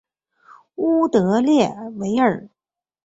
乌德勒维尔。